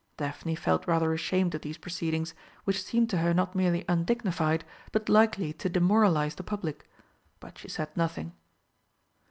Daphne felt rather ashamed of these proceedings, which seemed to her not merely undignified, but likely to demoralise the public. But she said nothing.